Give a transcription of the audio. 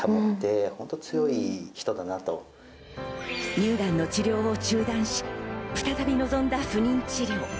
乳がんの治療を中断し、再び臨んだ不妊治療。